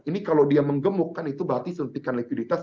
ini kalau dia menggemukkan itu berarti suntikan likuiditas